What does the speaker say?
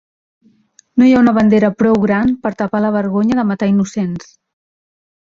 No hi ha bandera prou gran per tapar la vergonya de matar innocents.